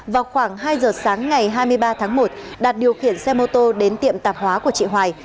vào khoảng hai giờ sáng ngày hai mươi ba tháng một đạt điều khiển xe mô tô đến tiệm tạp hóa của chị hoài